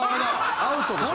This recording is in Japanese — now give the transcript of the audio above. ・アウトでしょ